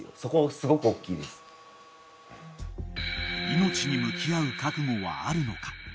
［命に向き合う覚悟はあるのか］